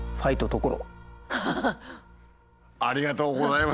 高見沢様ありがとうございます。